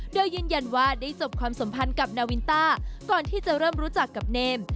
โดยยืนยันว่าได้จบความสัมพันธ์กับนาวินต้าก่อนที่จะเริ่มรู้จักกับเนม